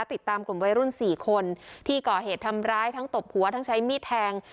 ติดตามกลุ่มวัยรุ่น๔คนที่ก่อเหตุทำร้ายทั้งตบหัวทั้งใช้มีดแทง